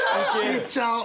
いっちゃおう！